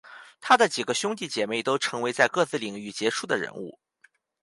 他的几个兄弟姐妹都成为在各自领域杰出的人物。